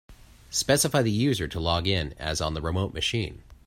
Specify the user to log in as on the remote machine.